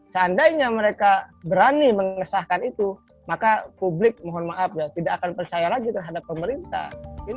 seandainya mereka berani mengesahkan itu maka publik mohon maaf ya tidak akan percaya lagi terhadap pemerintah